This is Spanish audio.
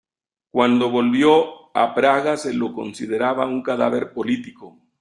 Cuando volvió a Praga se lo consideraba un cadáver político.